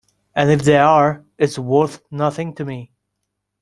And if they are, it's worth nothing to me.